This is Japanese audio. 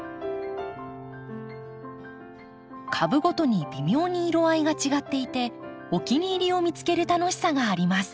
株ごとに微妙に色合いが違っていてお気に入りを見つける楽しさがあります。